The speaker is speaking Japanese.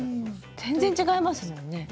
全然違いますよね。